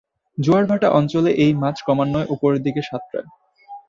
জোয়ার-ভাটা অঞ্চলে এই মাছ ক্রমান্বয়ে উপরের দিকে সাঁতরায়।